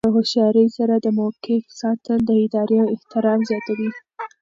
د هوښیارۍ سره د موقف ساتل د ادارې احترام زیاتوي.